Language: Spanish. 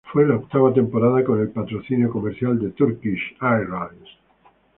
Fue la octava temporada con el patrocinio comercial de Turkish Airlines.